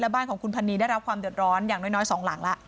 บ้านของคุณพันนีได้รับความเดือดร้อนอย่างน้อยสองหลังแล้ว